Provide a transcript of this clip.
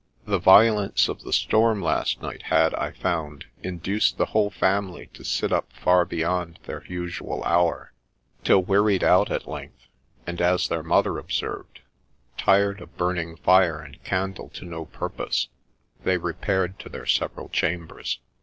' The violence of the storm last night had, I found, induced the whole family to sit up far beyond their usual hour, till, wearied out at length, and, as their mother observed, " tired of burning fire and candle to no purpose," they repaired to their several chambers.